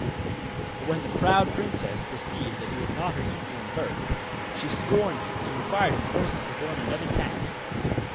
But when the proud princess perceived that he was not her equal in birth, she scorned him, and required him first to perform another task.